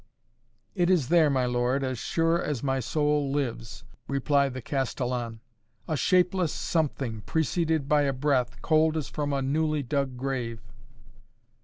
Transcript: "It is there, my lord, as sure as my soul lives," replied the castellan. "A shapeless something, preceded by a breath, cold as from a newly dug grave."